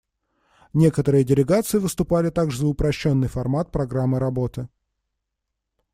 Некоторые делегации выступали также за упрощенный формат программы работы.